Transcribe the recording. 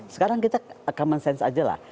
sekarang kita common sense aja lah